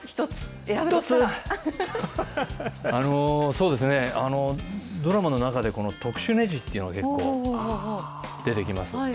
そうですね、ドラマの中で、この特殊ねじというのが結構出てきます。